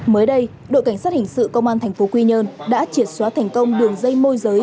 mới đây đội cảnh sát hình sự công an tp quy nhơn đã triệt xóa thành công đường dây môi giới